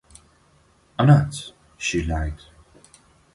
"I'm not," she lied.